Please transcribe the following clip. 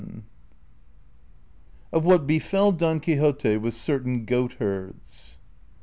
OF WHAT BEFELL DON QUIXOTE WITH CERTAIN GOATHERDS.